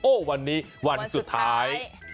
วันนี้วันสุดท้าย